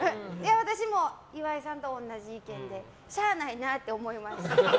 私も岩井さんと同じ意見でしゃあないなって思いました。